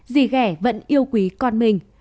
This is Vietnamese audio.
dì ghẻ vẫn yêu quý con mình